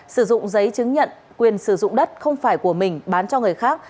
sử dụng giấy chứng nhận quyền sử dụng đất không phải của mình bán cho người khác